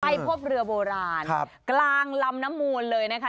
พบเรือโบราณกลางลำน้ำมูลเลยนะคะ